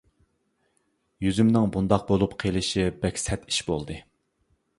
يۈزۈمنىڭ بۇنداق بولۇپ قىلىشى بەك سەت ئىش بولدى.